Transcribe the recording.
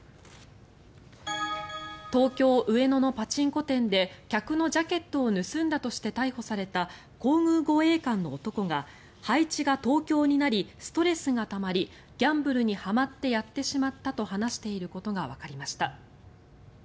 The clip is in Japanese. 東京・上野のパチンコ店で客のジャケットを盗んだとして逮捕された皇宮護衛官の男が配置が東京になりストレスがたまりギャンブルにはまってやってしまったと話していることがわかりました。